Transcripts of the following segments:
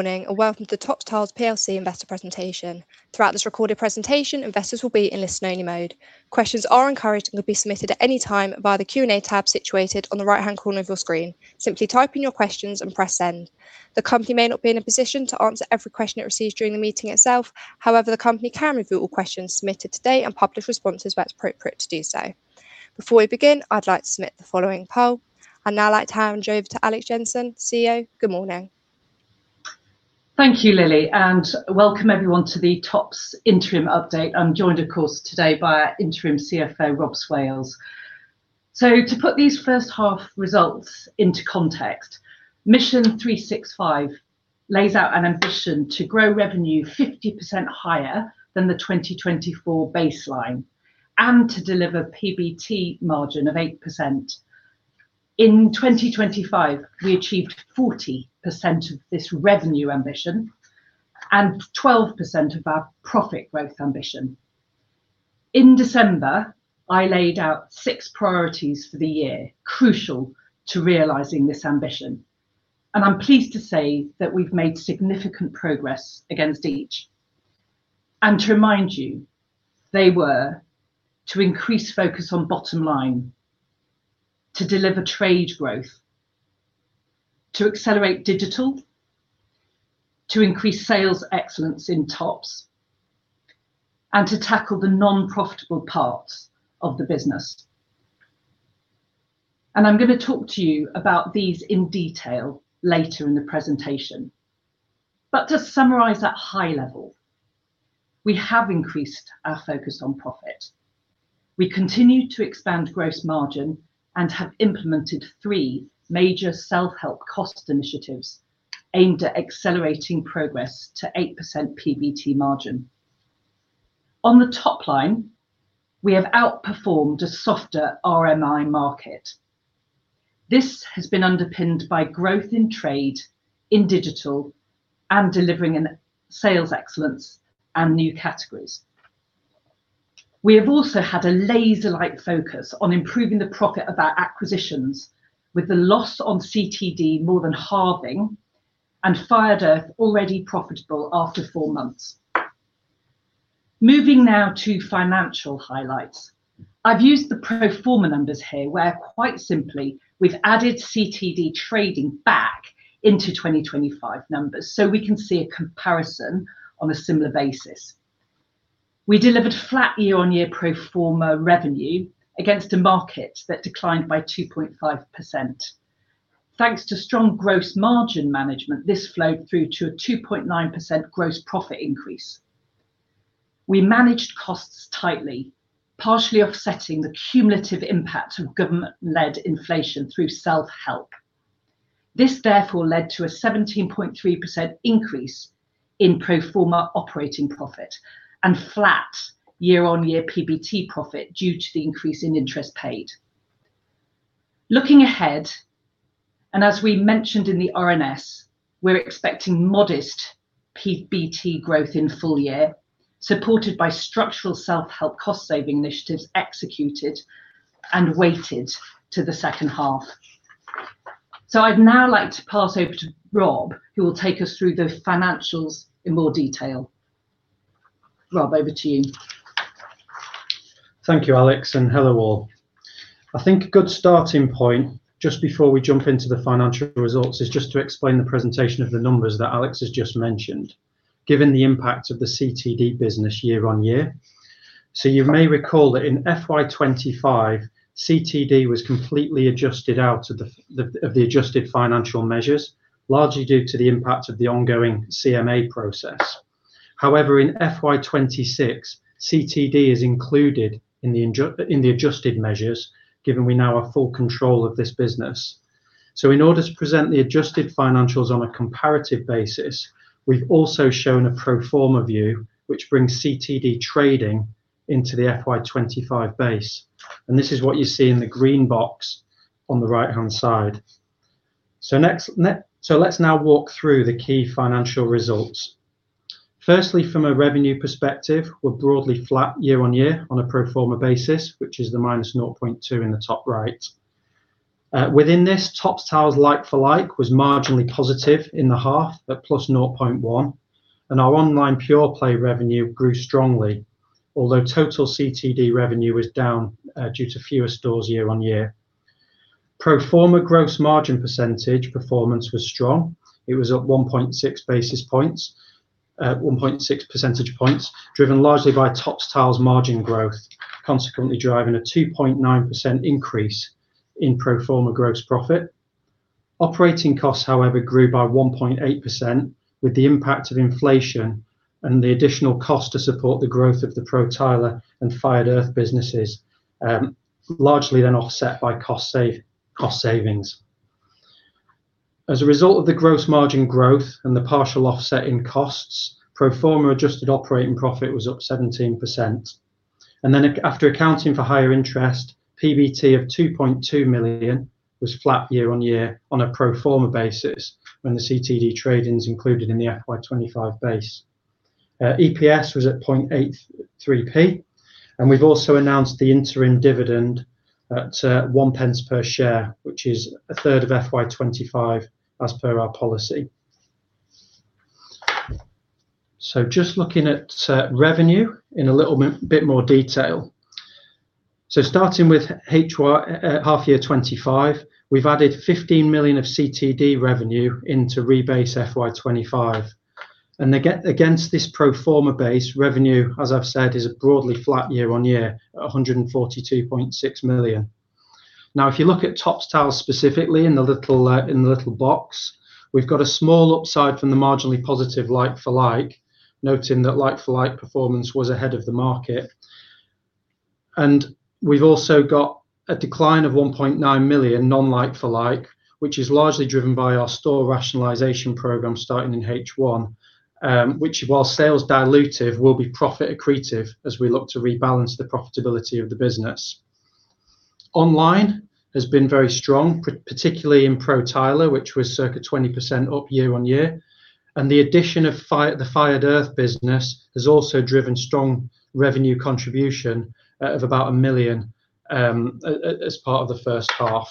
Morning, and welcome to the Topps Tiles Plc investor presentation. Throughout this recorded presentation, investors will be in listen only mode. Questions are encouraged and can be submitted at any time via the Q&A tab situated on the right-hand corner of your screen. Simply type in your questions and press send. The company may not be in a position to answer every question it receives during the meeting itself. However, the company can review all questions submitted today and publish responses where it's appropriate to do so. Before we begin, I'd like to submit the following poll. I'd now like to hand you over to Alex Jensen, CEO. Good morning. Thank you, Lily, and welcome everyone to the Topps interim update. I'm joined, of course, today by our Interim CFO, Rob Swales. To put these first half results into context, Mission 365 lays out an ambition to grow revenue 50% higher than the 2024 baseline and to deliver PBT margin of 8%. In 2025, we achieved 40% of this revenue ambition and 12% of our profit growth ambition. In December, I laid out six priorities for the year, crucial to realizing this ambition, and I'm pleased to say that we've made significant progress against each. To remind you, they were to increase focus on bottom line, to deliver trade growth, to accelerate digital, to increase sales excellence in Topps, and to tackle the non-profitable parts of the business. I'm going to talk to you about these in detail later in the presentation. To summarize at high level, we have increased our focus on profit. We continue to expand gross margin and have implemented three major self-help cost initiatives aimed at accelerating progress to 8% PBT margin. On the top line, we have outperformed a softer RMI market. This has been underpinned by growth in trade, in digital, and delivering in sales excellence and new categories. We have also had a laser-like focus on improving the profit of our acquisitions, with the loss on CTD more than halving and Fired Earth already profitable after four months. Moving now to financial highlights. I've used the pro forma numbers here, where quite simply, we've added CTD trading back into 2025 numbers, we can see a comparison on a similar basis. We delivered flat year-on-year pro forma revenue against a market that declined by 2.5%. Thanks to strong gross margin management, this flowed through to a 2.9% gross profit increase. We managed costs tightly, partially offsetting the cumulative impact of government-led inflation through self-help. This therefore led to a 17.3% increase in pro forma operating profit and flat year-on-year PBT profit due to the increase in interest paid. Looking ahead, and as we mentioned in the RNS, we're expecting modest PBT growth in full year, supported by structural self-help cost saving initiatives executed and weighted to the second half. I'd now like to pass over to Rob, who will take us through the financials in more detail. Rob, over to you. Thank you, Alex, and hello all. I think a good starting point just before we jump into the financial results is just to explain the presentation of the numbers that Alex has just mentioned, given the impact of the CTD business year on year. You may recall that in FY 2025, CTD was completely adjusted out of the adjusted financial measures, largely due to the impact of the ongoing CMA process. However, in FY 2026, CTD is included in the adjusted measures given we now have full control of this business. In order to present the adjusted financials on a comparative basis, we've also shown a pro forma view which brings CTD trading into the FY 2025 base, and this is what you see in the green box on the right-hand side. Let's now walk through the key financial results. Firstly, from a revenue perspective, we're broadly flat year-on-year on a pro forma basis, which is the –0.2 in the top right. Within this, Topps Tiles like-for-like was marginally positive in the half at +0.1 and our online pure play revenue grew strongly. Total CTD revenue was down due to fewer stores year-on-year. Pro forma gross margin percentage performance was strong. It was up 1.6 percentage points, driven largely by Topps Tiles margin growth, consequently driving a 2.9% increase in pro forma gross profit. Operating costs, however, grew by 1.8% with the impact of inflation and the additional cost to support the growth of the Pro Tiler and Fired Earth businesses, largely then offset by cost savings. As a result of the gross margin growth and the partial offset in costs, pro forma adjusted operating profit was up 17%. After accounting for higher interest, PBT of 2.2 million was flat year-on-year on a pro forma basis when the CTD trading is included in the FY 2025 base. EPS was at 0.83. We've also announced the interim dividend at 0.01 per share, which is a third of FY 2025 as per our policy. Just looking at revenue in a little bit more detail. Starting with half year 2025, we've added 15 million of CTD revenue into rebase FY 2025. Against this pro forma base revenue, as I've said, is broadly flat year-on-year at 142.6 million. If you look at Topps Tiles specifically in the little box, we've got a small upside from the marginally positive like-for-like, noting that like-for-like performance was ahead of the market. We've also got a decline of 1.9 million non like-for-like, which is largely driven by our store rationalization program starting in H1, which, while sales dilutive, will be profit accretive as we look to rebalance the profitability of the business. Online has been very strong, particularly in Pro Tiler, which was circa 20% up year on year, and the addition of the Fired Earth business has also driven strong revenue contribution of about 1 million as part of the first half.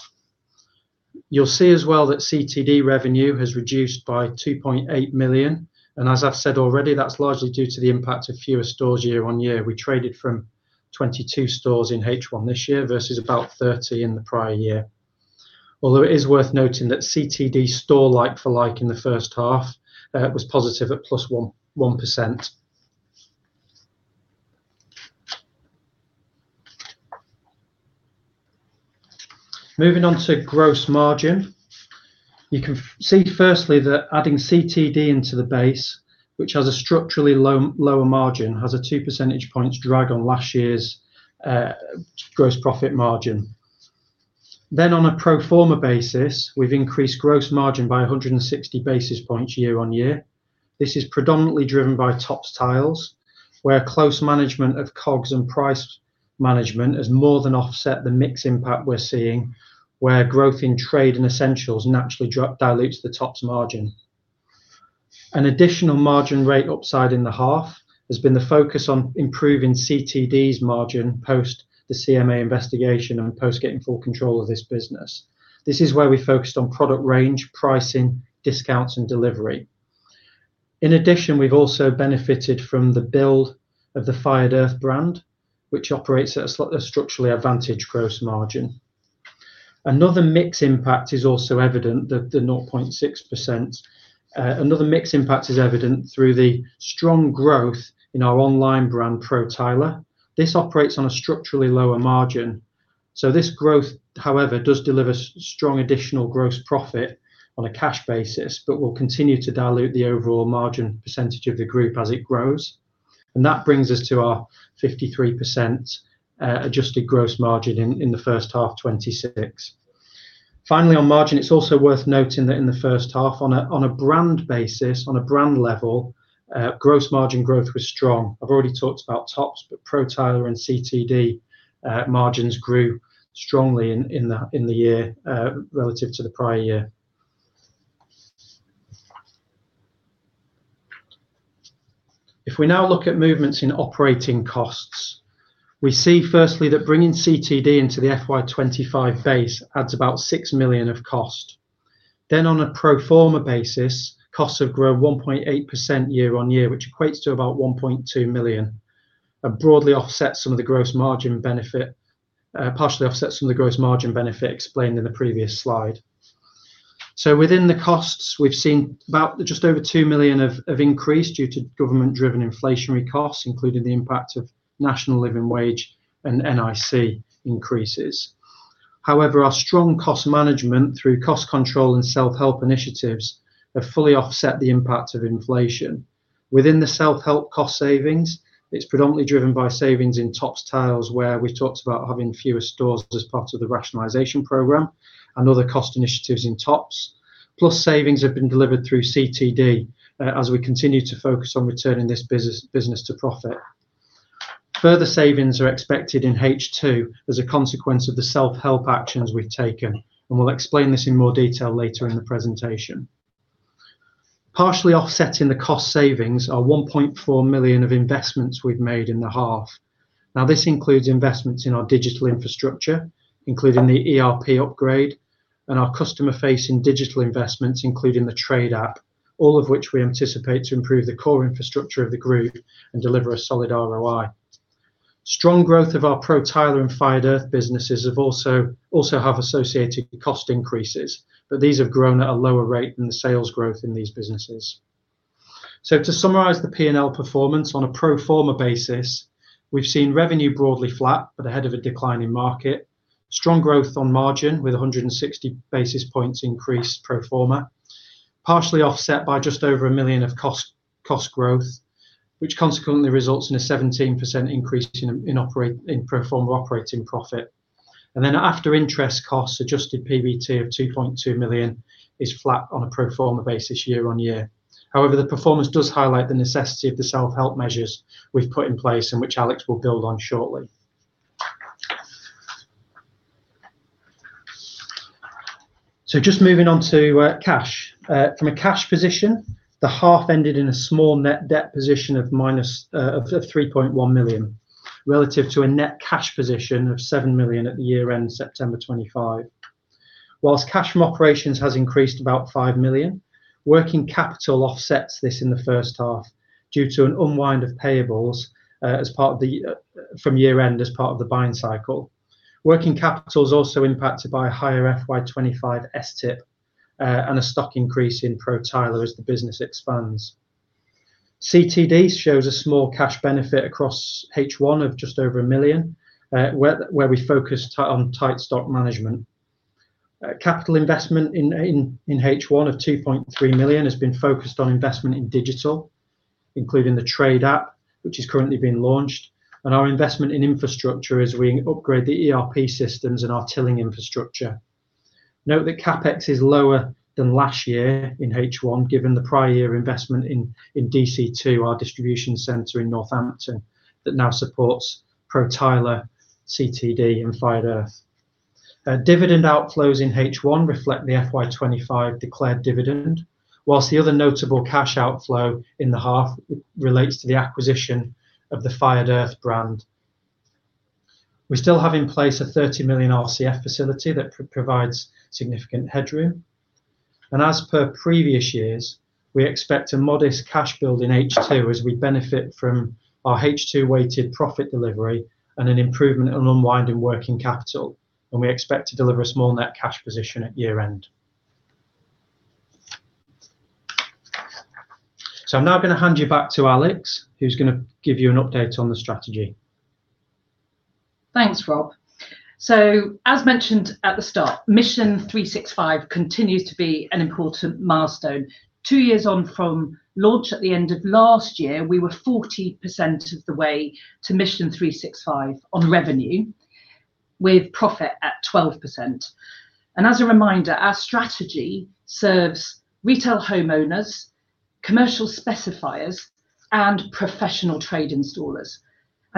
You'll see as well that CTD revenue has reduced by 2.8 million, and as I've said already, that's largely due to the impact of fewer stores year on year. We traded from 22 stores in H1 this year versus about 30 in the prior year. Although it is worth noting that CTD store like-for-like in the first half was positive at +1%. Moving on to gross margin. You can see firstly that adding CTD into the base, which has a structurally lower margin, has a 2 percentage points drag on last year's gross profit margin. On a pro forma basis, we've increased gross margin by 160 basis points year on year. This is predominantly driven by Topps Tiles, where close management of COGS and price management has more than offset the mix impact we're seeing, where growth in trade and essentials naturally dilutes the Topps margin. An additional margin rate upside in the half has been the focus on improving CTD's margin post the CMA investigation and post getting full control of this business. This is where we focused on product range, pricing, discounts, and delivery. In addition, we've also benefited from the build of the Fired Earth brand, which operates at a structurally advantaged gross margin. Another mix impact is also evident, the 0.6%. Another mix impact is evident through the strong growth in our online brand, Pro Tiler. This operates on a structurally lower margin. This growth, however, does deliver strong additional gross profit on a cash basis but will continue to dilute the overall margin percentage of the group as it grows. That brings us to our 53% adjusted gross margin in the first half 2026. Finally, on margin, it's also worth noting that in the first half on a brand basis, on a brand level, gross margin growth was strong. I've already talked about Topps, Pro Tiler and CTD margins grew strongly in the year relative to the prior year. If we now look at movements in operating costs, we see firstly that bringing CTD into the FY 2025 base adds about 6 million of cost. On a pro forma basis, costs have grown 1.8% year-on-year, which equates to about 1.2 million, partially offsets some of the gross margin benefit explained in the previous slide. Within the costs, we've seen about just over 2 million have increased due to government-driven inflationary costs, including the impact of National Living Wage and NIC increases. However, our strong cost management through cost control and self-help initiatives have fully offset the impact of inflation. Within the self-help cost savings, it's predominantly driven by savings in Topps Tiles, where we've talked about having fewer stores as part of the rationalization program and other cost initiatives in Topps. Savings have been delivered through CTD as we continue to focus on returning this business to profit. Further savings are expected in H2 as a consequence of the self-help actions we've taken. We'll explain this in more detail later in the presentation. Partially offsetting the cost savings are 1.4 million of investments we've made in the half. This includes investments in our digital infrastructure, including the ERP upgrade and our customer facing digital investments, including the Trade App, all of which we anticipate to improve the core infrastructure of the group and deliver a solid ROI. Strong growth of our Pro Tiler and Fired Earth businesses also have associated cost increases. These have grown at a lower rate than the sales growth in these businesses. To summarize the P&L performance on a pro forma basis, we've seen revenue broadly flat but ahead of a decline in market. Strong growth on margin with 160 basis points increase pro forma, partially offset by just over 1 million of cost growth, which consequently results in a 17% increase in pro forma operating profit. After-interest costs, adjusted PBT of 2.2 million is flat on a pro forma basis year on year. The performance does highlight the necessity of the self-help measures we've put in place and which Alex will build on shortly. Just moving on to cash. From a cash position, the half ended in a small net debt position of 3.1 million, relative to a net cash position of 7 million at the year end, September 2025. Whilst cash from operations has increased about 5 million, working capital offsets this in the first half due to an unwind of payables from year end as part of the buying cycle. Working capital is also impacted by a higher FY 2025 STIP, and a stock increase in Pro Tiler as the business expands. CTD shows a small cash benefit across H1 of just over 1 million, where we focused on tight stock management. Capital investment in H1 of 2.3 million has been focused on investment in digital, including the Trade App, which is currently being launched. Our investment in infrastructure as we upgrade the ERP systems and our tiling infrastructure. Note that CapEx is lower than last year in H1, given the prior year investment in DC2, our distribution center in Northampton, that now supports Pro Tiler, CTD and Fired Earth. Dividend outflows in H1 reflect the FY 2025 declared dividend, whilst the other notable cash outflow in the half relates to the acquisition of the Fired Earth brand. We still have in place a 30 million RCF facility that provides significant headroom. As per previous years, we expect a modest cash build in H2 as we benefit from our H2 weighted profit delivery and an improvement on unwinding working capital, and we expect to deliver a small net cash position at year end. I'm now going to hand you back to Alex, who's going to give you an update on the strategy. Thanks, Rob. As mentioned at the start, Mission 365 continues to be an important milestone. Two years on from launch at the end of last year, we were 40% of the way to Mission 365 on revenue, with profit at 12%. As a reminder, our strategy serves retail homeowners, commercial specifiers, and professional trade installers.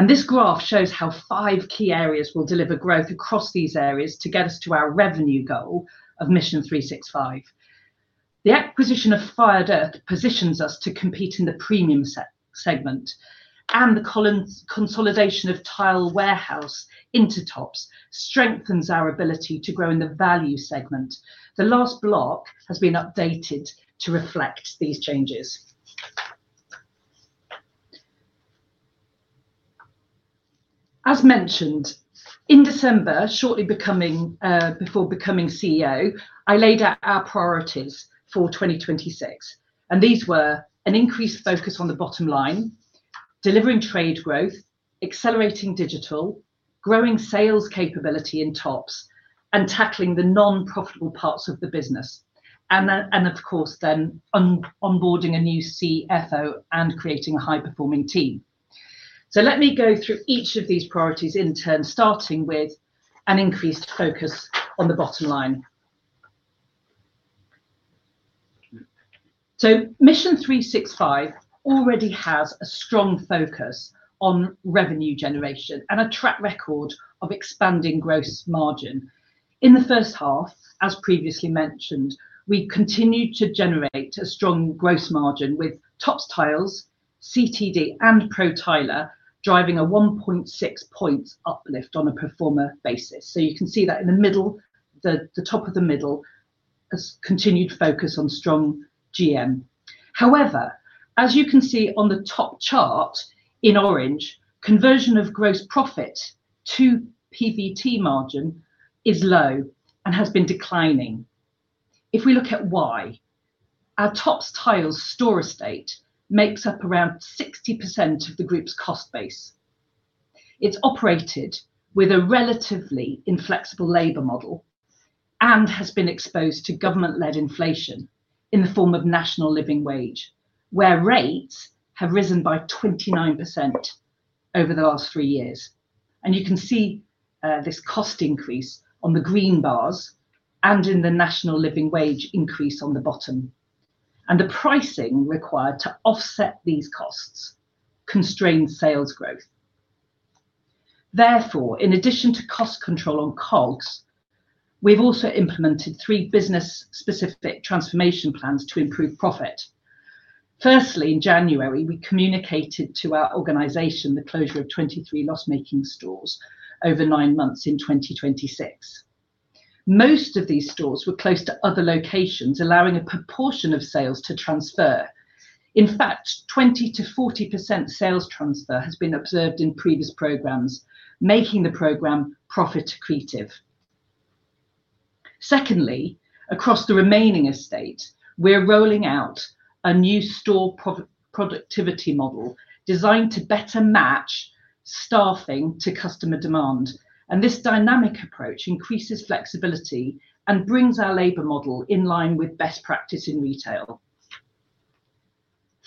This graph shows how five key areas will deliver growth across these areas to get us to our revenue goal of Mission 365. The acquisition of Fired Earth positions us to compete in the premium segment, and the consolidation of Tile Warehouse into Topps strengthens our ability to grow in the value segment. The last block has been updated to reflect these changes. As mentioned, in December, shortly before becoming CEO, I laid out our priorities for 2026, and these were an increased focus on the bottom line, delivering trade growth, accelerating digital, growing sales capability in Topps, and tackling the non-profitable parts of the business. Of course then, onboarding a new CFO and creating a high-performing team. Let me go through each of these priorities in turn, starting with an increased focus on the bottom line. Mission 365 already has a strong focus on revenue generation and a track record of expanding gross margin. In the first half, as previously mentioned, we continued to generate a strong gross margin with Topps Tiles, CTD and Pro Tiler driving a 1.6 points uplift on a pro forma basis. You can see that in the top of the middle, a continued focus on strong GM. As you can see on the top chart in orange, conversion of gross profit to PBT margin is low and has been declining. If we look at why, our Topps Tiles store estate makes up around 60% of the group's cost base. It's operated with a relatively inflexible labor model and has been exposed to government-led inflation in the form of National Living Wage, where rates have risen by 29% over the last three years. You can see, this cost increase on the green bars and in the National Living Wage increase on the bottom. The pricing required to offset these costs constrained sales growth. In addition to cost control on COGS, we've also implemented three business specific transformation plans to improve profit. Firstly, in January, we communicated to our organization the closure of 23 loss-making stores over nine months in 2026. Most of these stores were close to other locations, allowing a proportion of sales to transfer. In fact, 20%-40% sales transfer has been observed in previous programs, making the program profit accretive. Secondly, across the remaining estate, we're rolling out a new store productivity model designed to better match staffing to customer demand, and this dynamic approach increases flexibility and brings our labor model in line with best practice in retail.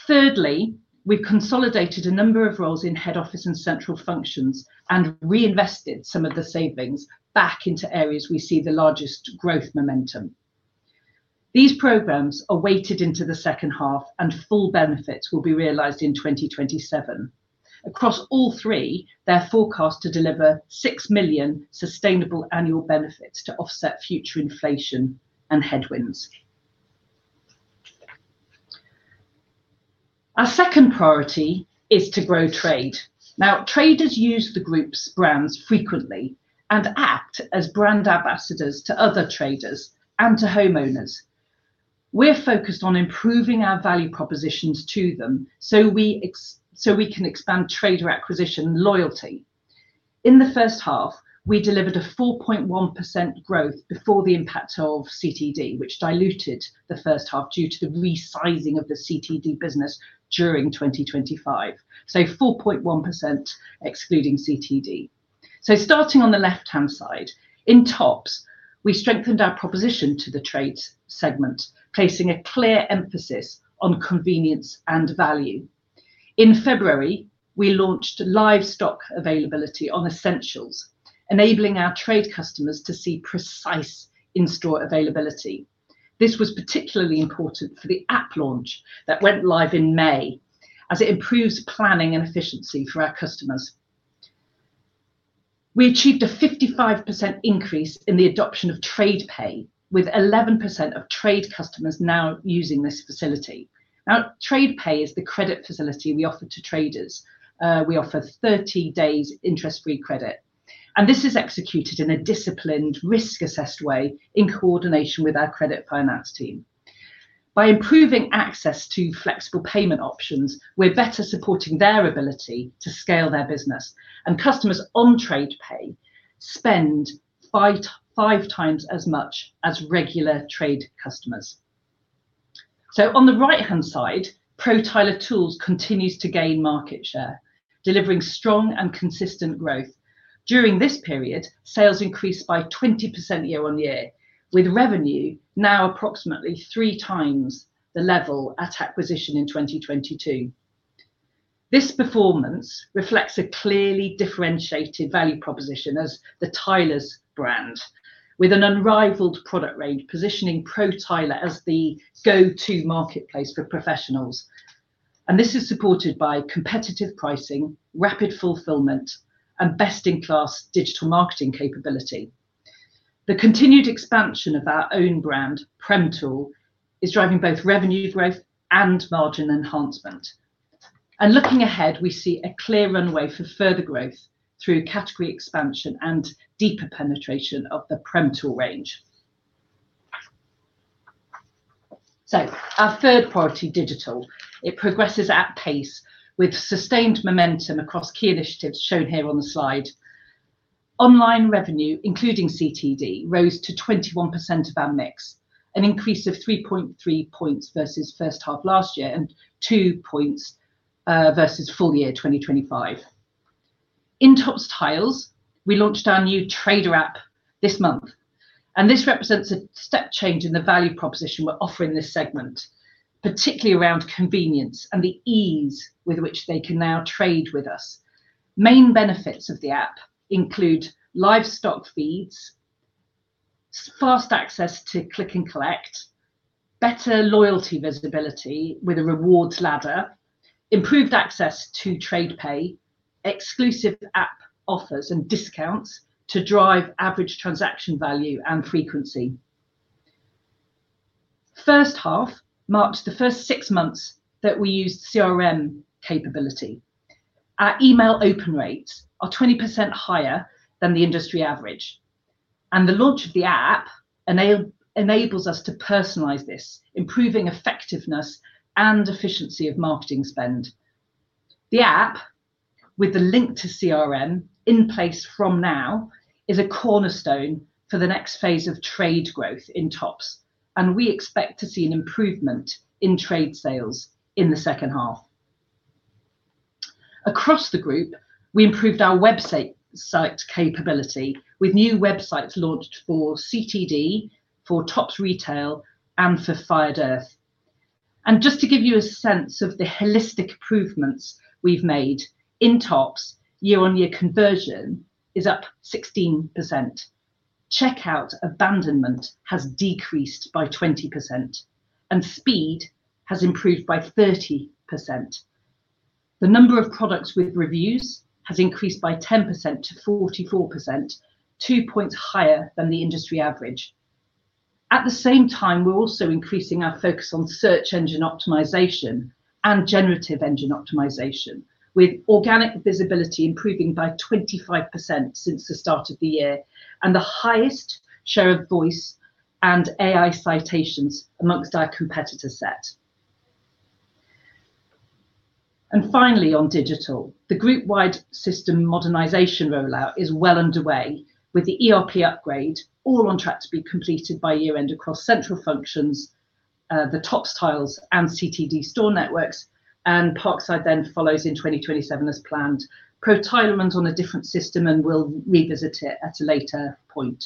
Thirdly, we've consolidated a number of roles in head office and central functions and reinvested some of the savings back into areas we see the largest growth momentum. These programs are weighted into the second half, and full benefits will be realized in 2027. Across all three, they're forecast to deliver 6 million sustainable annual benefits to offset future inflation and headwinds. Our second priority is to grow trade. Traders use the group's brands frequently and act as brand ambassadors to other traders and to homeowners. We're focused on improving our value propositions to them so we can expand trader acquisition loyalty. In the first half, we delivered a 4.1% growth before the impact of CTD, which diluted the first half due to the resizing of the CTD business during 2025. 4.1% excluding CTD. Starting on the left-hand side, in Topps, we strengthened our proposition to the trade segment, placing a clear emphasis on convenience and value. In February, we launched live stock availability on essentials, enabling our trade customers to see precise in-store availability. This was particularly important for the app launch that went live in May, as it improves planning and efficiency for our customers. We achieved a 55% increase in the adoption of TradePay, with 11% of Trade customers now using this facility. TradePay is the credit facility we offer to traders. We offer 30 days interest-free credit, this is executed in a disciplined, risk-assessed way in coordination with our credit finance team. By improving access to flexible payment options, we're better supporting their ability to scale their business, customers on TradePay spend five times as much as regular Trade customers. On the right-hand side, Pro Tiler continues to gain market share, delivering strong and consistent growth. During this period, sales increased by 20% year-on-year, with revenue now approximately three times the level at acquisition in 2022. This performance reflects a clearly differentiated value proposition as the Tiler's brand, with an unrivaled product range positioning Pro Tiler as the go-to marketplace for professionals. This is supported by competitive pricing, rapid fulfillment, and best-in-class digital marketing capability. The continued expansion of our own brand, PREMTOOL, is driving both revenue growth and margin enhancement. Looking ahead, we see a clear runway for further growth through category expansion and deeper penetration of the PREMTOOL range. Our third priority, digital. It progresses at pace with sustained momentum across key initiatives shown here on the slide. Online revenue, including CTD, rose to 21% of our mix, an increase of 3.3 points versus first half last year and 2 points versus full year 2025. In Topps Tiles, we launched our new trader app this month, and this represents a step change in the value proposition we're offering this segment, particularly around convenience and the ease with which they can now trade with us. Main benefits of the app include live stock feeds, fast access to Click and Collect, better loyalty visibility with a rewards ladder, improved access to TradePay, exclusive app offers and discounts to drive average transaction value and frequency. First half marked the first six months that we used CRM capability. Our email open rates are 20% higher than the industry average. The launch of the app enables us to personalize this, improving effectiveness and efficiency of marketing spend. The app, with the link to CRM in place from now, is a cornerstone for the next phase of trade growth in Topps, and we expect to see an improvement in trade sales in the second half. Across the group, we improved our website capability with new websites launched for CTD, for Topps Retail and for Fired Earth. Just to give you a sense of the holistic improvements we've made, in Topps, year-on-year conversion is up 16%. Checkout abandonment has decreased by 20%, and speed has improved by 30%. The number of products with reviews has increased by 10% to 44%, 2 points higher than the industry average. At the same time, we're also increasing our focus on search engine optimization and generative engine optimization, with organic visibility improving by 25% since the start of the year and the highest share of voice and AI citations amongst our competitor set. Finally, on digital, the group-wide system modernization rollout is well underway, with the ERP upgrade all on track to be completed by year-end across central functions, the Topps Tiles and CTD store networks, and Parkside then follows in 2027 as planned. Pro Tiler is on a different system, and we'll revisit it at a later point.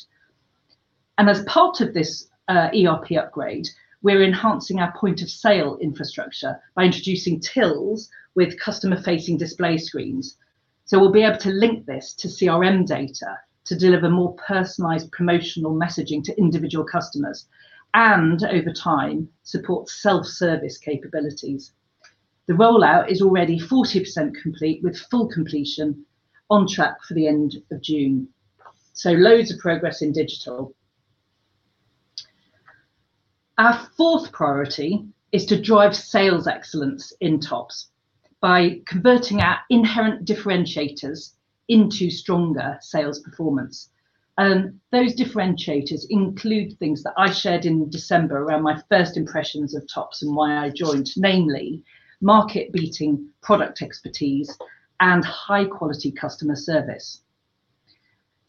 As part of this ERP upgrade, we're enhancing our point of sale infrastructure by introducing tills with customer-facing display screens. We'll be able to link this to CRM data to deliver more personalized promotional messaging to individual customers, and over time, support self-service capabilities. The rollout is already 40% complete, with full completion on track for the end of June. Loads of progress in digital. Our fourth priority is to drive sales excellence in Topps by converting our inherent differentiators into stronger sales performance. Those differentiators include things that I shared in December around my first impressions of Topps and why I joined. Mainly, market-beating product expertise and high-quality customer service.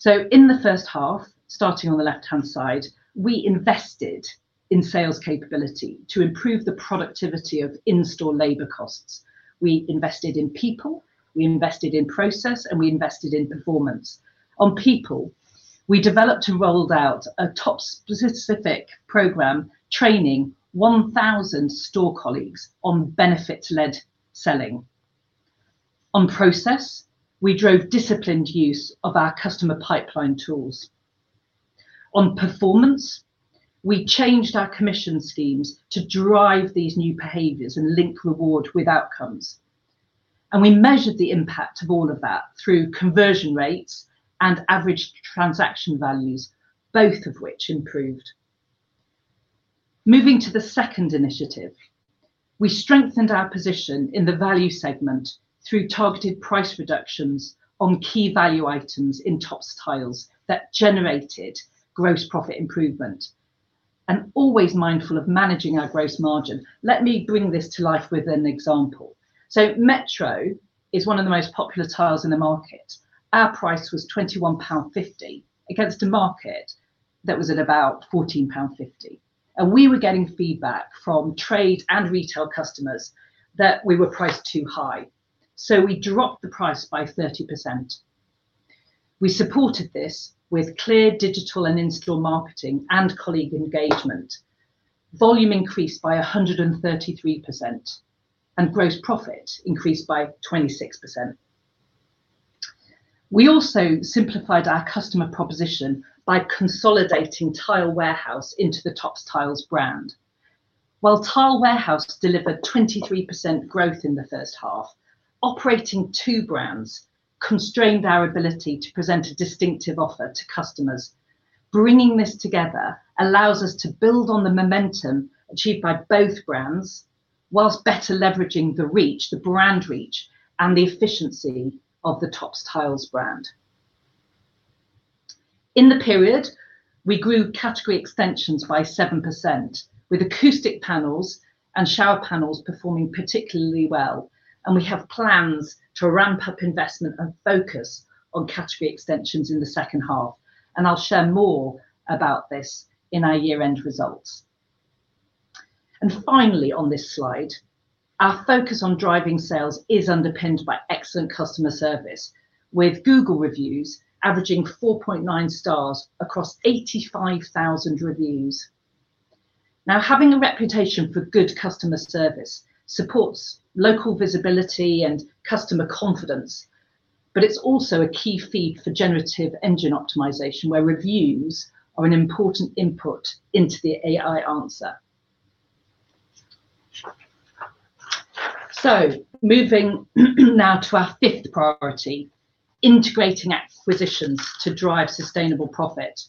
In the first half, starting on the left-hand side, we invested in sales capability to improve the productivity of in-store labor costs. We invested in people, we invested in process, and we invested in performance. On people, we developed and rolled out a Topps specific program, training 1,000 store colleagues on benefits-led selling. On process, we drove disciplined use of our customer pipeline tools. On performance, we changed our commission schemes to drive these new behaviors and link reward with outcomes. We measured the impact of all of that through conversion rates and average transaction values, both of which improved. Moving to the second initiative, we strengthened our position in the value segment through targeted price reductions on key value items in Topps Tiles that generated gross profit improvement and always mindful of managing our gross margin. Let me bring this to life with an example. Metro is one of the most popular tiles in the market. Our price was 21.50 pound against a market that was at about 14.50 pound, and we were getting feedback from trade and retail customers that we were priced too high. We dropped the price by 30%. We supported this with clear digital and in-store marketing and colleague engagement. Volume increased by 133%, and gross profit increased by 26%. We also simplified our customer proposition by consolidating Tile Warehouse into the Topps Tiles brand. While Tile Warehouse delivered 23% growth in the first half, operating two brands constrained our ability to present a distinctive offer to customers. Bringing this together allows us to build on the momentum achieved by both brands while better leveraging the reach, the brand reach, and the efficiency of the Topps Tiles brand. In the period, we grew category extensions by 7%, with acoustic panels and shower panels performing particularly well, and we have plans to ramp up investment and focus on category extensions in the second half, and I'll share more about this in our year-end results. Finally, on this slide, our focus on driving sales is underpinned by excellent customer service, with Google reviews averaging 4.9 stars across 85,000 reviews. Now, having a reputation for good customer service supports local visibility and customer confidence, but it's also a key feed for generative engine optimization, where reviews are an important input into the AI answer. Moving now to our fifth priority, integrating acquisitions to drive sustainable profit.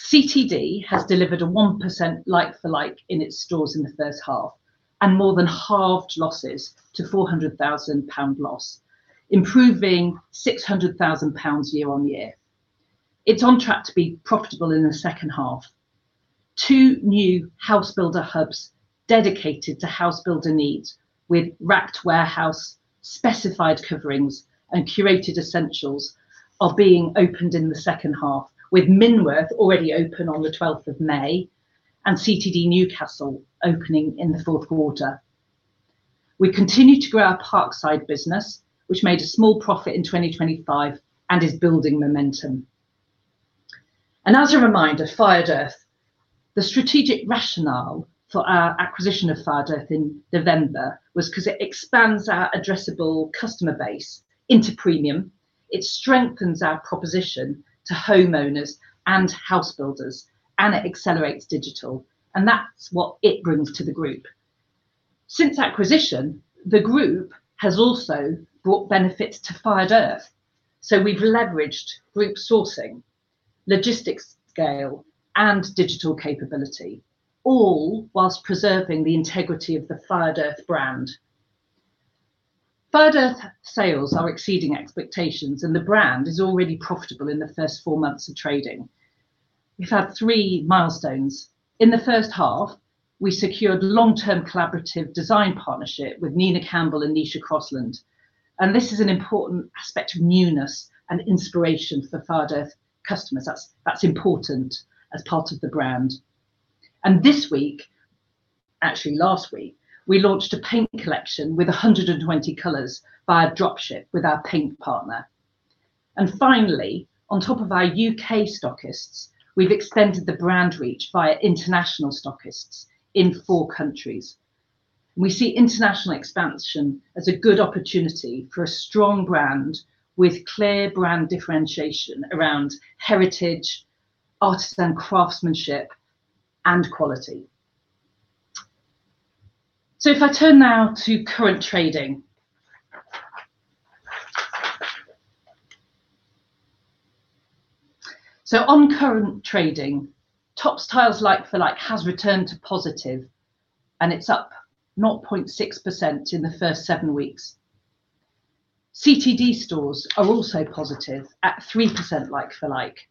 CTD has delivered a 1% like for like in its stores in the first half and more than halved losses to a 400,000 pound loss, improving 600,000 pounds year on year. It's on track to be profitable in the second half. Two new house builder hubs dedicated to house builder needs with racked warehouse, specified coverings, and curated essentials are being opened in the second half with Minworth already open on the May 12th and CTD Newcastle opening in the fourth quarter. We continue to grow our Parkside business, which made a small profit in 2025 and is building momentum. As a reminder, Fired Earth, the strategic rationale for our acquisition of Fired Earth in November was because it expands our addressable customer base into premium. It strengthens our proposition to homeowners and house builders, and it accelerates digital, and that's what it brings to the group. Since acquisition, the group has also brought benefits to Fired Earth. We've leveraged group sourcing, logistics scale, and digital capability, all whilst preserving the integrity of the Fired Earth brand. Fired Earth sales are exceeding expectations, and the brand is already profitable in the first four months of trading. We've had three milestones. In the first half, we secured long-term collaborative design partnership with Nina Campbell and Neisha Crosland, and this is an important aspect of newness and inspiration for Fired Earth customers. That's important as part of the brand. This week, actually last week, we launched a paint collection with 120 colors via dropship with our paint partner. Finally, on top of our U.K. stockists, we've extended the brand reach via international stockists in four countries. We see international expansion as a good opportunity for a strong brand with clear brand differentiation around heritage, artisan craftsmanship, and quality. If I turn now to current trading. On current trading, Topps Tiles like-for-like has returned to positive, and it's up 0.6% in the first seven weeks. CTD stores are also positive at 3% like-for-like.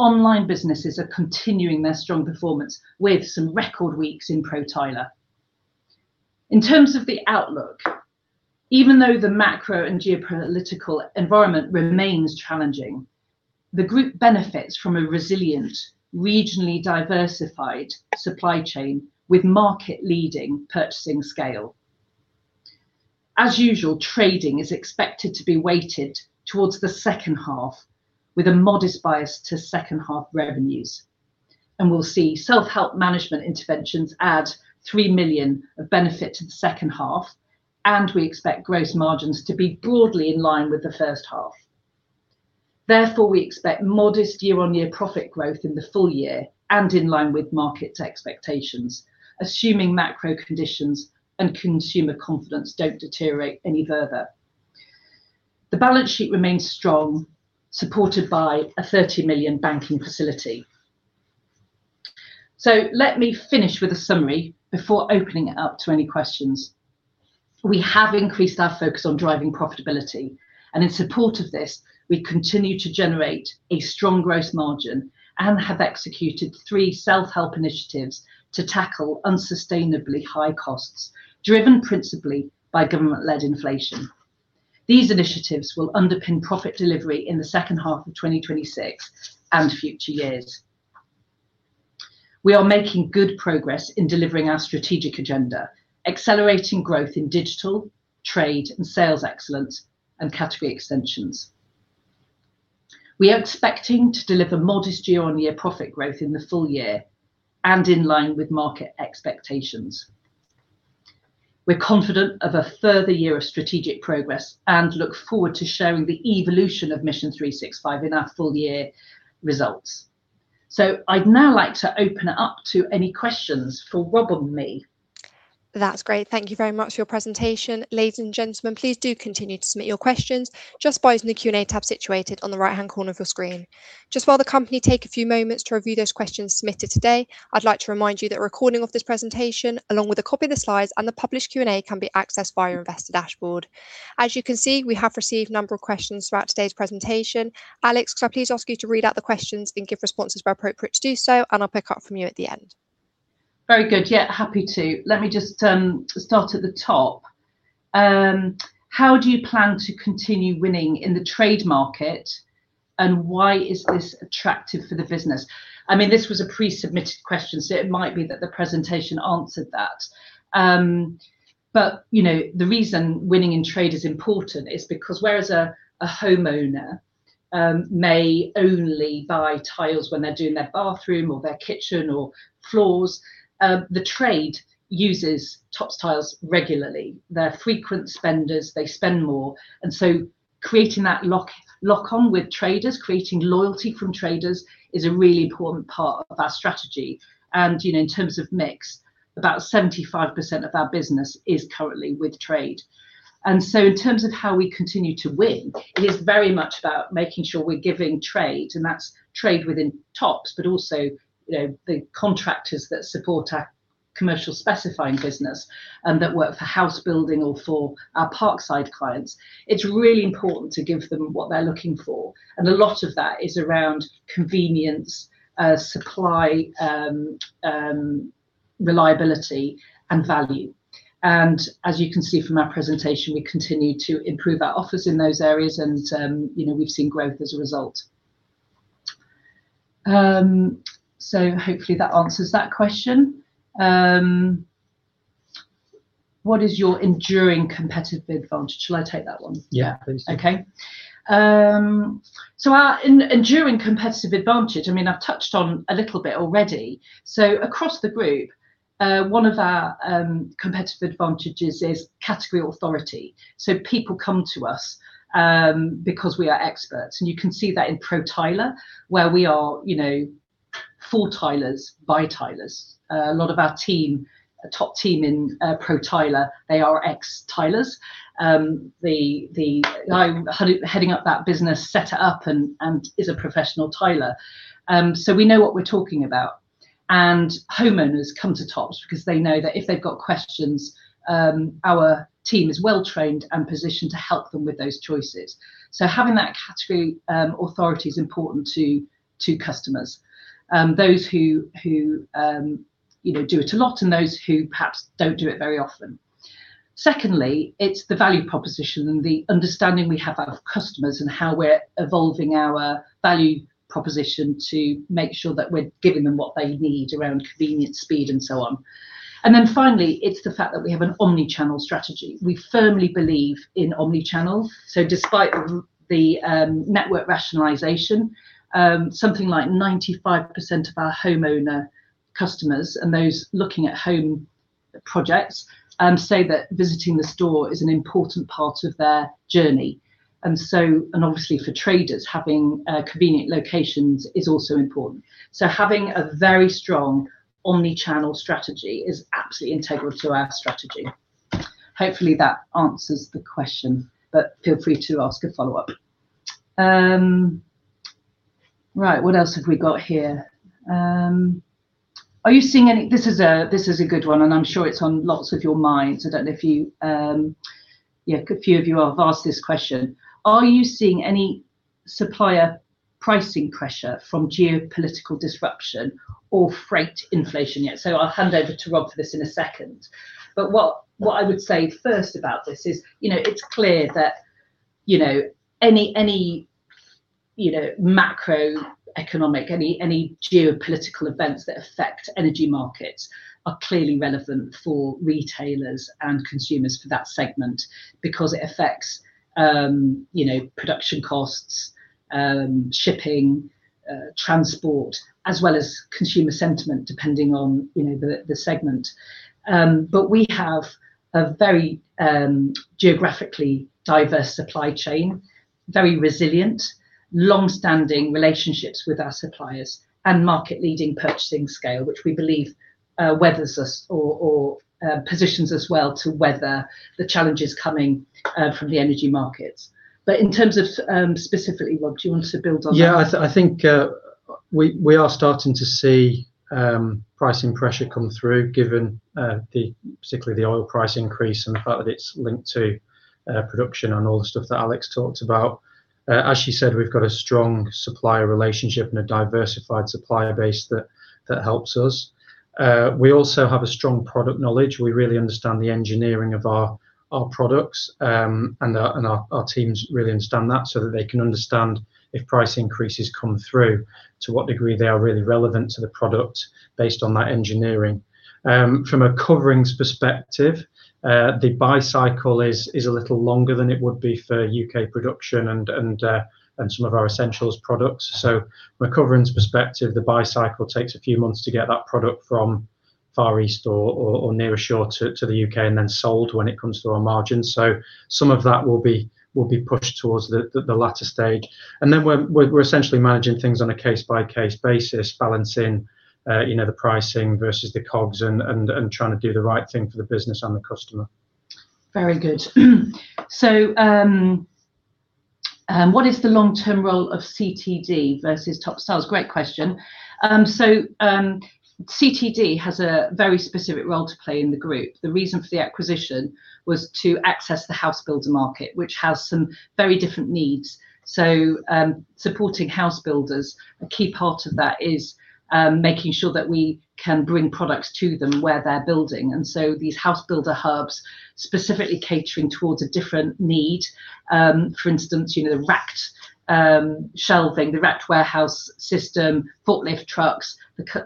Online businesses are continuing their strong performance with some record weeks in Pro Tiler. In terms of the outlook, even though the macro and geopolitical environment remains challenging, the group benefits from a resilient, regionally diversified supply chain with market-leading purchasing scale. As usual, trading is expected to be weighted towards the second half, with a modest bias to second half revenues. We'll see self-help management interventions add 3 million of benefit to the second half, and we expect gross margins to be broadly in line with the first half. Therefore, we expect modest year-on-year profit growth in the full year and in line with market expectations, assuming macro conditions and consumer confidence don't deteriorate any further. The balance sheet remains strong, supported by a 30 million banking facility. Let me finish with a summary before opening it up to any questions. We have increased our focus on driving profitability, and in support of this, we continue to generate a strong gross margin and have executed three self-help initiatives to tackle unsustainably high costs, driven principally by government-led inflation. These initiatives will underpin profit delivery in the second half of 2026 and future years. We are making good progress in delivering our strategic agenda, accelerating growth in digital, trade, and sales excellence, and category extensions. We are expecting to deliver modest year-on-year profit growth in the full year and in line with market expectations. We're confident of a further year of strategic progress and look forward to sharing the evolution of Mission 365 in our full-year results. I'd now like to open it up to any questions for Rob or me. That's great. Thank you very much for your presentation. Ladies and gentlemen, please do continue to submit your questions just by using the Q&A tab situated on the right-hand corner of your screen. While the company take a few moments to review those questions submitted today, I'd like to remind you that a recording of this presentation, along with a copy of the slides and the published Q&A can be accessed via Investor Dashboard. As you can see, we have received a number of questions throughout today's presentation. Alex, could I please ask you to read out the questions and give responses where appropriate to do so, and I'll pick up from you at the end. Very good. Yeah, happy to. Let me just start at the top. How do you plan to continue winning in the trade market, and why is this attractive for the business? This was a pre-submitted question, so it might be that the presentation answered that. The reason winning in trade is important is because whereas a homeowner may only buy tiles when they're doing their bathroom or their kitchen or floors, the trade uses Topps Tiles regularly. They're frequent spenders, they spend more. Creating that lock on with traders, creating loyalty from traders, is a really important part of our strategy. In terms of mix, about 75% of our business is currently with trade. In terms of how we continue to win, it is very much about making sure we're giving trade, and that's trade within Topps, but also the contractors that support our commercial specifying business and that work for house building or for our Parkside clients. It's really important to give them what they're looking for, and a lot of that is around convenience, supply, reliability, and value. As you can see from our presentation, we continue to improve our offers in those areas and we've seen growth as a result. Hopefully that answers that question. What is your enduring competitive advantage? Shall I take that one? Yeah, please do. Okay. Our enduring competitive advantage, I've touched on a little bit already. Across the group, one of our competitive advantages is category authority. People come to us because we are experts, and you can see that in Pro Tiler, where we are for tilers, by tilers. A lot of our team, top team in Pro Tiler, they are ex-tilers. The guy heading up that business set it up and is a professional tiler. We know what we're talking about. Homeowners come to Topps because they know that if they've got questions, our team is well-trained and positioned to help them with those choices. Having that category authority is important to customers. Those who do it a lot and those who perhaps don't do it very often. Secondly, it's the value proposition and the understanding we have of customers and how we're evolving our value proposition to make sure that we're giving them what they need around convenience, speed, and so on. Finally, it's the fact that we have an omni-channel strategy. We firmly believe in omni-channel. Despite the network rationalization, something like 95% of our homeowner customers and those looking at home projects say that visiting the store is an important part of their journey. Obviously for traders, having convenient locations is also important. Having a very strong omni-channel strategy is absolutely integral to our strategy. Hopefully, that answers the question, but feel free to ask a follow-up. Right. What else have we got here? This is a good one, and I'm sure it's on lots of your minds. A few of you have asked this question. Are you seeing any supplier pricing pressure from geopolitical disruption or freight inflation yet? I'll hand over to Rob for this in a second, what I would say first about this is it's clear that any macroeconomic, any geopolitical events that affect energy markets are clearly relevant for retailers and consumers for that segment because it affects production costs, shipping, transport, as well as consumer sentiment, depending on the segment. We have a very geographically diverse supply chain, very resilient, long-standing relationships with our suppliers, and market-leading purchasing scale, which we believe weathers us or positions us well to weather the challenges coming from the energy markets. In terms of specifically, Rob, do you want to build on that? Yeah, I think we are starting to see pricing pressure come through given particularly the oil price increase and the fact that it's linked to production and all the stuff that Alex talked about. As she said, we've got a strong supplier relationship and a diversified supplier base that helps us. We also have a strong product knowledge. We really understand the engineering of our products. Our teams really understand that, so that they can understand if price increases come through, to what degree they are really relevant to the product based on that engineering. From a coverings perspective, the buy cycle is a little longer than it would be for U.K. production and some of our essentials products. From a coverings perspective, the buy cycle takes a few months to get that product from Far East or nearer shore to the U.K. and then sold when it comes to our margins. Some of that will be pushed towards the latter stage. We're essentially managing things on a case-by-case basis, balancing the pricing versus the COGS and trying to do the right thing for the business and the customer. Very good. What is the long-term role of CTD versus Topps Tiles? Great question. CTD has a very specific role to play in the group. The reason for the acquisition was to access the house builder market, which has some very different needs. Supporting house builders, a key part of that is making sure that we can bring products to them where they're building. These house builder hubs specifically catering towards a different need. For instance, the racked shelving, the racked warehouse system, forklift trucks,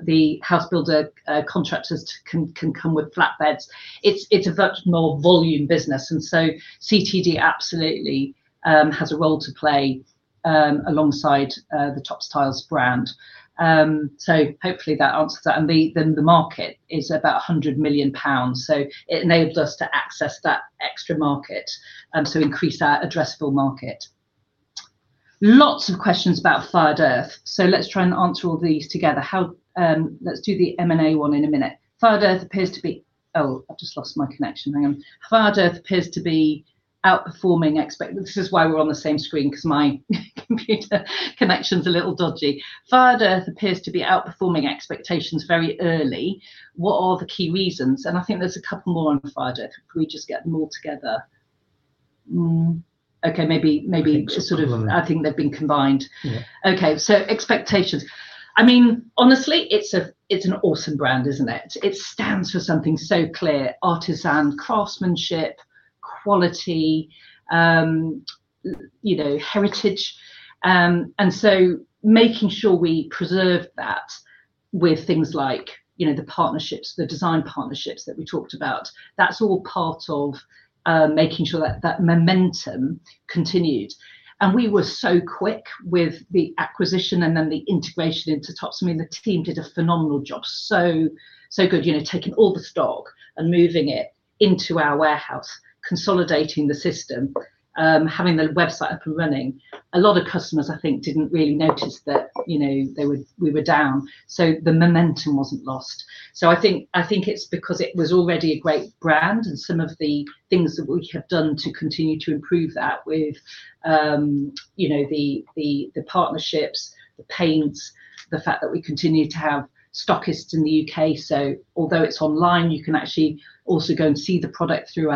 the house builder contractors can come with flatbeds. It's a much more volume business, and so CTD absolutely has a role to play alongside the Topps Tiles brand. Hopefully that answers that. The market is about 100 million pounds, so it enables us to access that extra market to increase our addressable market. Lots of questions about Fired Earth. Let's try and answer all these together. Let's do the M&A one in a minute. Fired Earth appears to be outperforming. This is why we're on the same screen because my computer connection's a little dodgy. Fired Earth appears to be outperforming expectations very early. What are the key reasons? I think there's a couple more on Fired Earth. Can we just get them all together? Okay. I think there was one. I think they've been combined. Yeah. Okay. Expectations. Honestly, it's an awesome brand, isn't it? It stands for something so clear, artisan craftsmanship, quality, heritage. Making sure we preserve that with things like the design partnerships that we talked about, that's all part of making sure that that momentum continued. We were so quick with the acquisition and then the integration into Topps. The team did a phenomenal job, so good, taking all the stock and moving it into our warehouse, consolidating the system, having the website up and running. A lot of customers, I think, didn't really notice that we were down, so the momentum wasn't lost. I think it's because it was already a great brand and some of the things that we have done to continue to improve that with the partnerships, the paints, the fact that we continue to have stockists in the U.K., so although it's online, you can actually also go and see the product through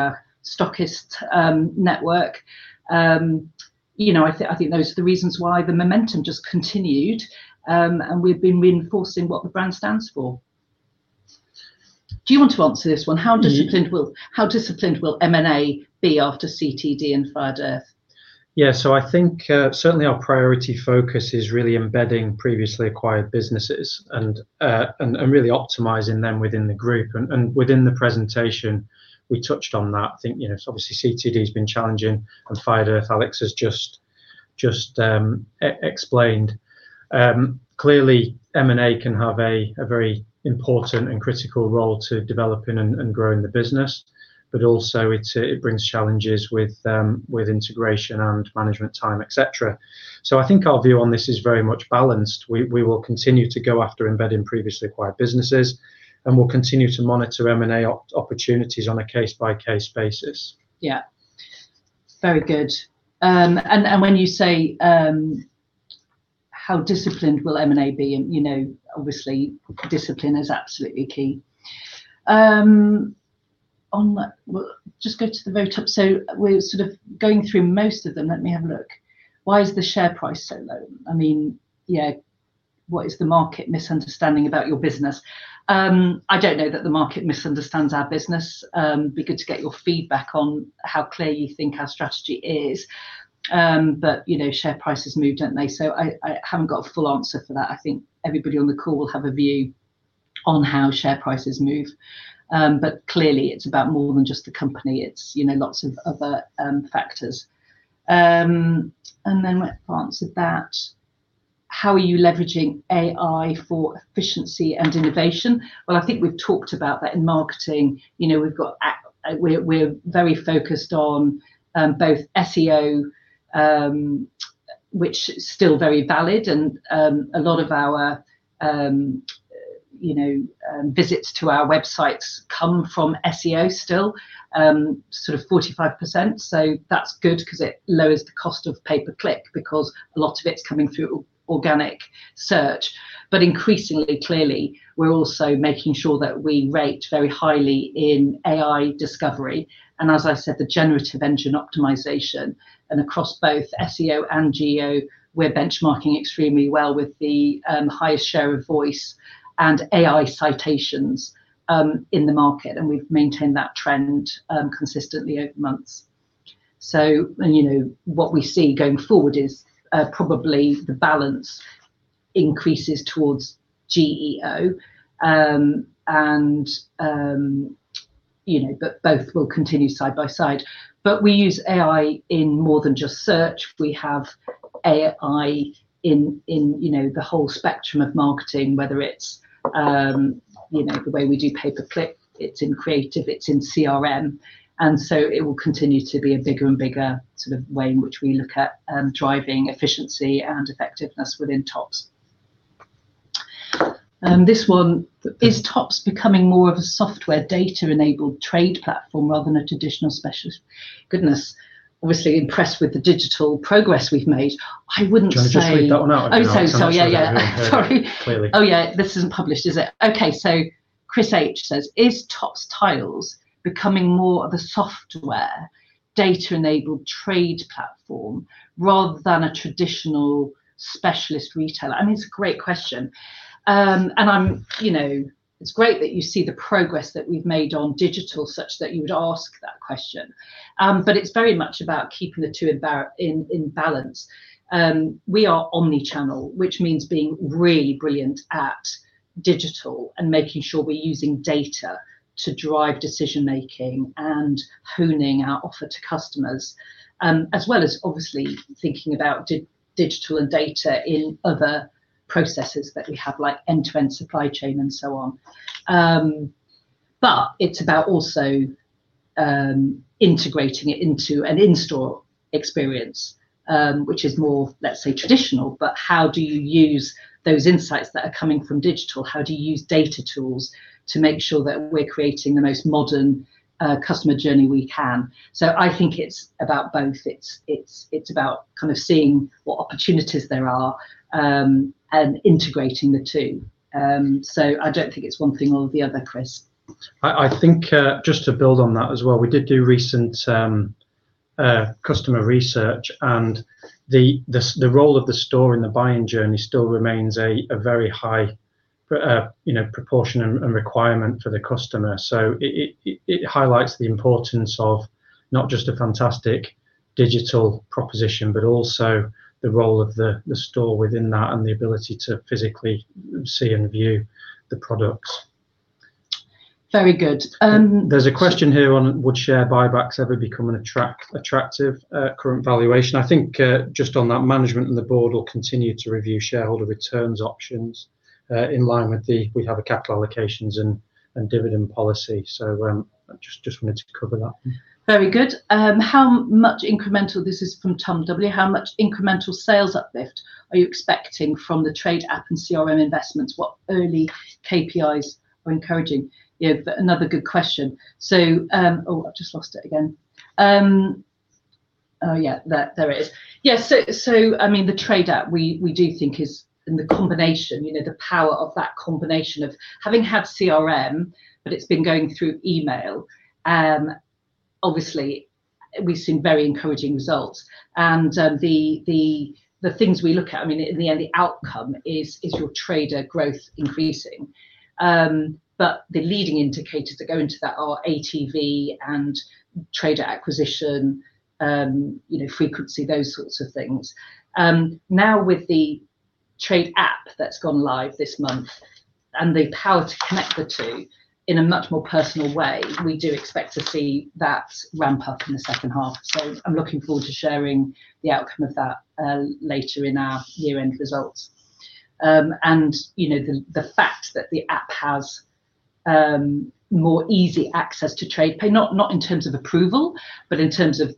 our stockist network. I think those are the reasons why the momentum just continued. We've been reinforcing what the brand stands for. Do you want to answer this one? How disciplined will M&A be after CTD and Fired Earth? I think certainly our priority focus is really embedding previously acquired businesses and really optimizing them within the group. Within the presentation, we touched on that. Obviously CTD has been challenging and Fired Earth, Alex has just explained. Clearly M&A can have a very important and critical role to developing and growing the business. Also it brings challenges with integration and management time, et cetera. Our view on this is very much balanced. We will continue to go after embedding previously acquired businesses, and we will continue to monitor M&A opportunities on a case-by-case basis. Yeah. Very good. When you say, how disciplined will M&A be? Obviously discipline is absolutely key. We'll just go to the very top. We're sort of going through most of them. Let me have a look. Why is the share price so low? What is the market misunderstanding about your business? I don't know that the market misunderstands our business. Be good to get your feedback on how clear you think our strategy is. Share prices move, don't they? I haven't got a full answer for that. I think everybody on the call will have a view on how share prices move. Clearly it's about more than just the company. It's lots of other factors. Then we've answered that. How are you leveraging AI for efficiency and innovation? I think we've talked about that in marketing. We're very focused on both SEO, which is still very valid and a lot of our visits to our websites come from SEO still, sort of 45%. That's good because it lowers the cost of pay-per-click because a lot of it's coming through organic search, but increasingly clearly, we're also making sure that we rate very highly in AI discovery. As I said, the generative engine optimization and across both SEO and GEO, we're benchmarking extremely well with the highest share of voice and AI citations in the market. We've maintained that trend consistently over months. What we see going forward is probably the balance increases towards GEO. Both will continue side by side. We use AI in more than just search. We have AI in the whole spectrum of marketing, whether it's the way we do pay per click, it's in creative, it's in CRM. It will continue to be a bigger and bigger sort of way in which we look at driving efficiency and effectiveness within Topps. This one, "Is Topps becoming more of a software data-enabled trade platform rather than a traditional specialist?" Goodness. Obviously impressed with the digital progress we've made. I wouldn't say- Do you want to just read that one out? Oh, so sorry. Yeah. I can't actually hear you clearly. Oh, yeah. This isn't published, is it? Okay. Chris H says, "Is Topps Tiles becoming more of a software data-enabled trade platform rather than a traditional specialist retailer?" I mean, it's a great question. It's great that you see the progress that we've made on digital such that you would ask that question. It's very much about keeping the two in balance. We are omni-channel, which means being really brilliant at digital and making sure we're using data to drive decision making and honing our offer to customers. As well as obviously thinking about digital and data in other processes that we have, like end-to-end supply chain and so on. It's about also integrating it into an in-store experience, which is more, let's say, traditional, but how do you use those insights that are coming from digital? How do you use data tools to make sure that we're creating the most modern customer journey we can? I think it's about both. It's about kind of seeing what opportunities there are, and integrating the two. I don't think it's one thing or the other, Chris. I think, just to build on that as well, we did do recent customer research and the role of the store in the buying journey still remains a very high proportion and requirement for the customer. It highlights the importance of not just a fantastic digital proposition, but also the role of the store within that and the ability to physically see and view the products. Very good. There's a question here on, "Would share buybacks ever become an attractive current valuation?" I think, just on that, management and the board will continue to review shareholder returns options, in line with we have a capital allocations and dividend policy. I just wanted to cover that. Very good. This is from Tom W. "How much incremental sales uplift are you expecting from the Trade App and CRM investments? What early KPIs are encouraging?" Yeah, another good question. The Trade App, we do think is in the combination, the power of that combination of having had CRM, but it's been going through email. Obviously, we've seen very encouraging results. The things we look at, in the end, the outcome is your trader growth increasing. The leading indicators that go into that are ATV and trader acquisition, frequency, those sorts of things. Now with the Trade App that's gone live this month and the power to connect the two in a much more personal way, we do expect to see that ramp up in the second half. I'm looking forward to sharing the outcome of that later in our year-end results. The fact that the app has more easy access to TradePay, not in terms of approval, but in terms of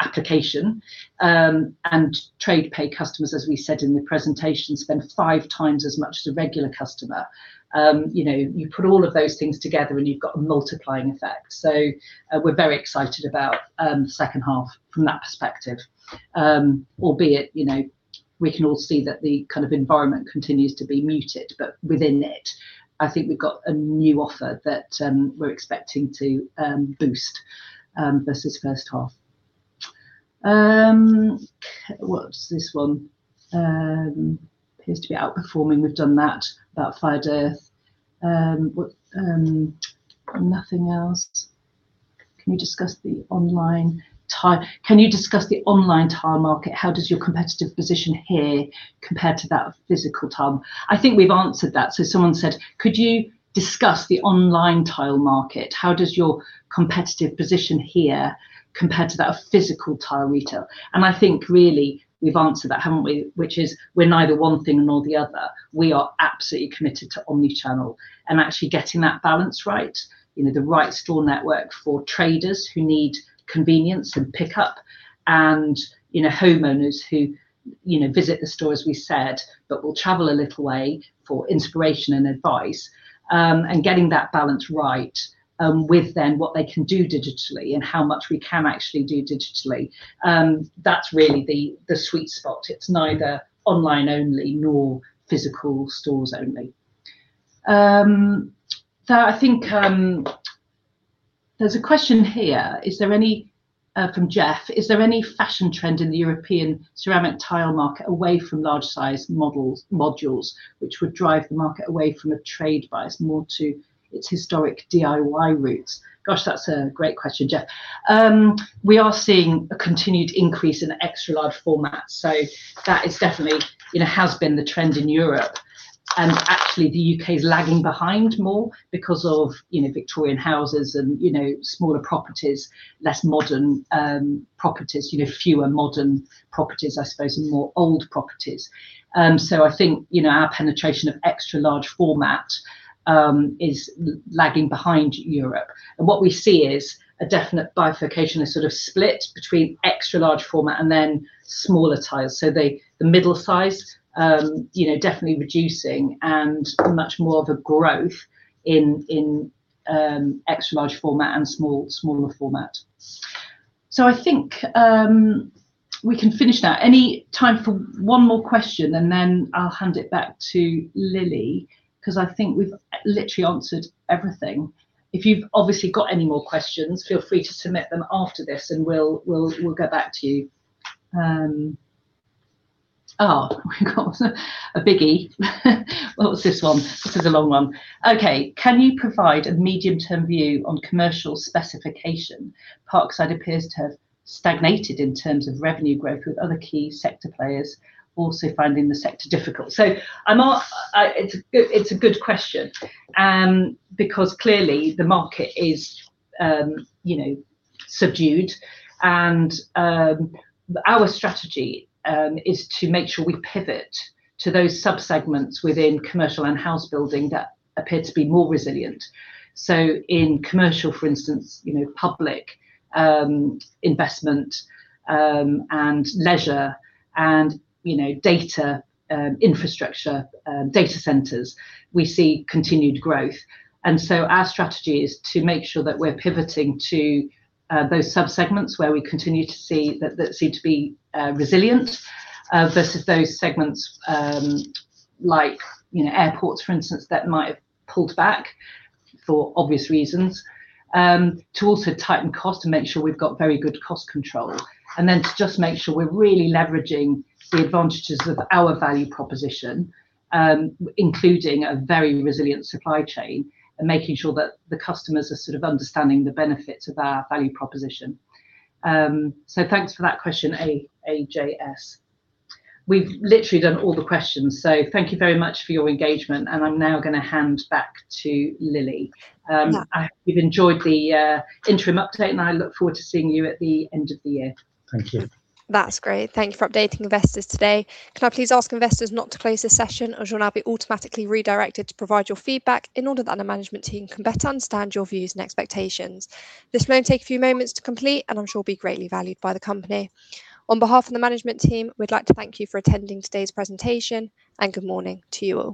application, and TradePay customers, as we said in the presentation, spend five times as much as a regular customer. You put all of those things together, and you've got a multiplying effect. We're very excited about second half from that perspective. Albeit, we can all see that the kind of environment continues to be muted, but within it, I think we've got a new offer that we're expecting to boost versus first half. What's this one? Appears to be outperforming. We've done that, about Fired Earth. Nothing else. Can you discuss the online tile market? How does your competitive position here compare to that of physical tile? I think we've answered that. Someone said, "Could you discuss the online tile market? How does your competitive position here compare to that of physical tile retail?" I think really we've answered that, haven't we? Which is we're neither one thing nor the other. We are absolutely committed to omni-channel and actually getting that balance right, the right store network for traders who need convenience and pickup and homeowners who visit the store, as we said, but will travel a little way for inspiration and advice. getting that balance right with then what they can do digitally and how much we can actually do digitally. That's really the sweet spot. It's neither online only, nor physical stores only. There's a question here from Jeff, "Is there any fashion trend in the European ceramic tile market away from large-sized modules which would drive the market away from a trade buyer more to its historic DIY roots?" Gosh, that's a great question, Jeff. We are seeing a continued increase in extra large format, so that definitely has been the trend in Europe. Actually, the U.K.'s lagging behind more because of Victorian houses and smaller properties, less modern properties, fewer modern properties, I suppose, and more old properties. I think, our penetration of extra large format is lagging behind Europe. What we see is a definite bifurcation, a sort of split between extra large format and then smaller tiles. The middle size definitely reducing and much more of a growth in extra large format and smaller format. I think we can finish now. Any time for one more question, and then I'll hand it back to Lily, because I think we've literally answered everything. If you've obviously got any more questions, feel free to submit them after this and we'll get back to you. Oh, we got a biggie. What's this one? This is a long one. Okay. Can you provide a medium-term view on commercial specification? Parkside appears to have stagnated in terms of revenue growth, with other key sector players also finding the sector difficult. It's a good question, because clearly the market is subdued, and our strategy is to make sure we pivot to those sub-segments within commercial and house building that appear to be more resilient. In commercial, for instance, public investment, and leisure, and data infrastructure, data centers, we see continued growth. Our strategy is to make sure that we're pivoting to those sub-segments where we continue to see that seem to be resilient, versus those segments like airports, for instance, that might have pulled back for obvious reasons. To also tighten cost and make sure we've got very good cost control, and then to just make sure we're really leveraging the advantages of our value proposition, including a very resilient supply chain, and making sure that the customers are sort of understanding the benefits of our value proposition. Thanks for that question AJS. We've literally done all the questions, so thank you very much for your engagement and I'm now going to hand back to Lily. Yeah. I hope you've enjoyed the interim update, and I look forward to seeing you at the end of the year. Thank you. That's great. Thank you for updating investors today. Can I please ask investors not to close this session, as you'll now be automatically redirected to provide your feedback in order that our management team can better understand your views and expectations. This will only take a few moments to complete, and I'm sure will be greatly valued by the company. On behalf of the management team, we'd like to thank you for attending today's presentation and good morning to you all